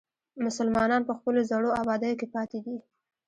مسلمانان په خپلو زړو ابادیو کې پاتې دي.